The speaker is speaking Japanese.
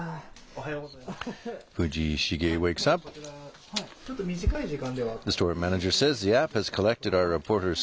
おはようございます。